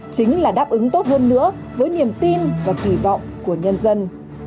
chính là đáp ứng tốt hơn nữa với niềm tin và kỳ vọng của nhân dân